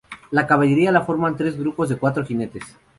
La caballería la forman tres grupos de cuatro jinetes.